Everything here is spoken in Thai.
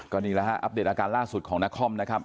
ก่อนอีกแล้วอัปเดตอาการล่าสุดของนาคอมนะครับ